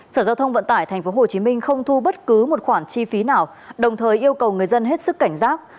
sở giao thông vận tải tp hcm không thu bất cứ một khoản chi phí nào đồng thời yêu cầu người dân hết sức cảnh giác